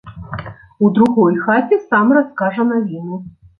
У другой хаце сам раскажа навіны.